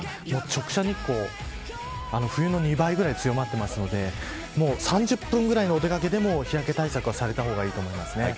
直射日光が冬の２倍くらい強まっているので３０分ぐらいのお出掛けでも日焼け対策はされた方がいいと思います。